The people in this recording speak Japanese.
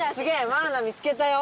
マウナ見つけたよ！